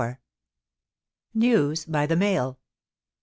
NEWS BY THE MAII.